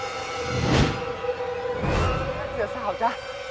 เสียสาวจ๊ะ